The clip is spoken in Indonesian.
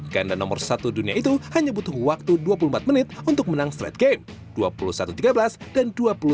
ganda nomor satu dunia itu hanya butuh waktu dua puluh empat menit untuk menang straight game dua puluh satu tiga belas dan dua puluh satu delapan belas